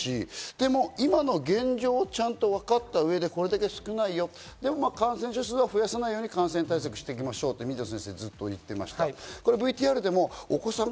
でも、今の現状をちゃんと分かった上でこれだけ少ないよって、感染者数は増やさないように感染対策していきましょうと水野先生はおっしゃっていました。